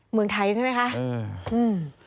เมืองไทยใช่ไหมคะอืม